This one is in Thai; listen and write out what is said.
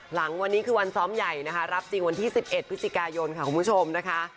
หลังวันนี้คือวันซ้อมใหญ่นะคะรับจริงวันที่๑๑พฤศจิกายนค่ะคุณผู้ชมนะคะ